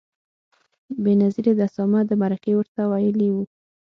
بېنظیرې د اسامه د مرکې ورته ویلي و.